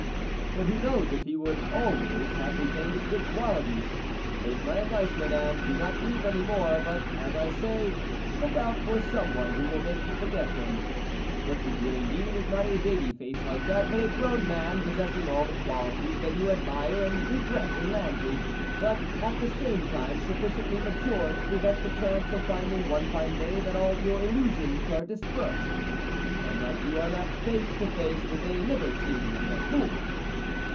" But who knows if he would always have retained his good qualities. Take my ad vice, Madame, do not grieve anymore, but, as I say, look out for some one who will make you forget him. What you really need is not a baby face like that, but a grown man, possessing all the qualities that you admire and regret in Landry, but, at the same time sufficiently mature to prevent the chance of finding one fine day that all your illusions are dispersed, and that you are left face to face with a libertine and a bully."